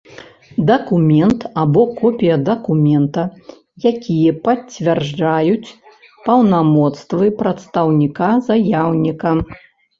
Дакумент або копiя дакумента, якiя пацвярджаюць паўнамоцтвы прадстаўнiка заяўнiка.